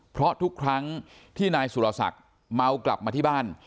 เพราะทุกครั้งที่นายสุรศักดิ์เมากลับมาที่บ้าน